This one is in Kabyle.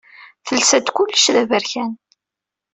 Telsa-d kullec d aberkan.